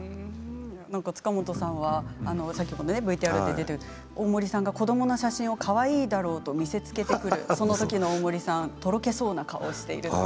塚本さんは先ほどＶＴＲに出てきましたけれども大森さんが子どもの写真をかわいいだろと見せつけてくるそのときの大森さんはとろけそうな顔をしていると。